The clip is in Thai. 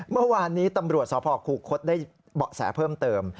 เมื่อวานนี้ตำรวจสพคูคศได้เบาะแสเพิ่มเติม